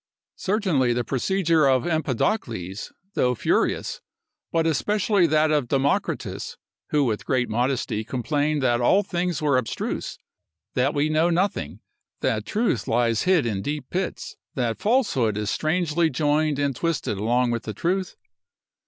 Certainly the procedure of Empedocles, though furious—but especially that of Democritus (who with great modesty complained that all things were abstruse; that we know nothing; that truth lies hid in deep pits; that falsehood is strangely joined and twisted along with truth, &c.)